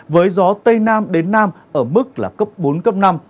với gió tây nam đến nam ở mức là cấp bốn cấp năm